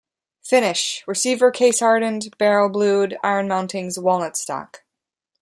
Finish: Receiver casehardened, barrel blued, iron mountings, walnut stock.